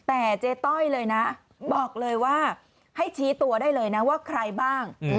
แต่เจ๊ต้อยเลยนะบอกเลยว่าให้ชี้ตัวได้เลยนะว่าใครบ้าง